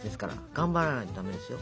頑張らないとダメですよ。